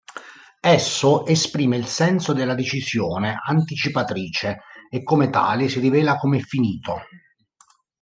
Esso esprime il senso della decisione anticipatrice, e come tale si rivela come finito.